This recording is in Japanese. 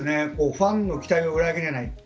ファンの期待を裏切らない。